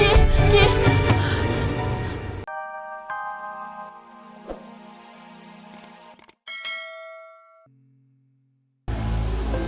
cukup g g